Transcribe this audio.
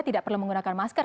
tidak perlu menggunakan masker